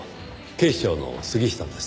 警視庁の杉下です。